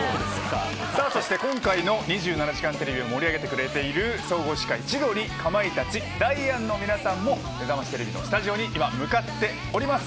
そして今回の２７時間テレビを盛り上げてくれている総合司会、千鳥、かまいたちダイアンの皆さんもめざましテレビのスタジオに今、向かってきております。